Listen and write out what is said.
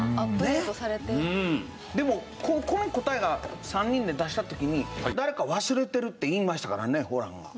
でもこの答えが３人で出した時に誰か忘れてるって言いましたからねホランが。